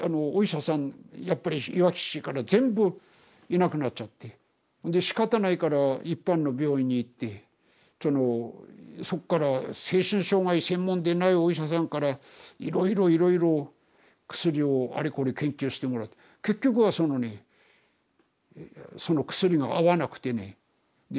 やっぱりいわき市から全部いなくなっちゃってでしかたないから一般の病院に行ってそのそっから精神障害専門でないお医者さんからいろいろいろいろ薬をあれこれ研究してもらって結局はそのねその薬が合わなくてねで死んでしまうんですよ。